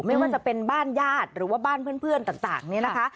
ไม่ว่าจะเป็นบ้านญาติหรือว่าบ้านเพื่อนต่างเนี่ยนะคะ